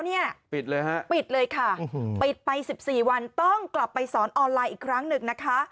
เนี่ยปิดเลยฮะปิดเลยค่ะปิดไป๑๔วันต้องกลับไปสอนออนไลน์อีกครั้งหนึ่งนะคะ